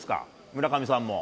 村上さんも。